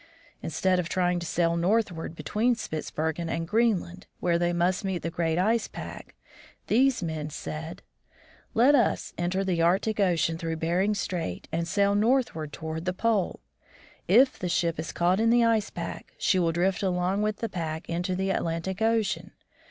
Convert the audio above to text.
Instead of trying to sail northward between Spitzbergen and Greenland, where they must meet that great ice pack, 72 VOYAGE OF THE JEANNETTE 73 these men said :" Let us enter the Arctic ocean through Bering strait and sail northward toward the pole. If the ship is caught in the ice pack, she will drift along with the pack into the Atlantic ocean.